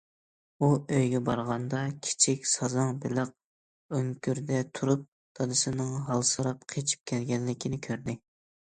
ئۇ ئۆيگە بارغاندا كىچىك سازاڭ بېلىق ئۆڭكۈردە تۇرۇپ، دادىسىنىڭ ھالسىراپ قېچىپ كەلگەنلىكىنى كۆردى.